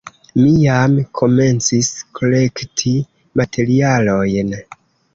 Mi jam komencis kolekti materialojn.